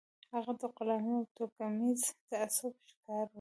هغه د غلامۍ او توکميز تعصب ښکار و